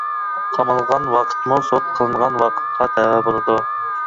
قامالغان ۋاقىتمۇ سوت قىلىنغان ۋاقىتقا تەۋە بولىدۇ.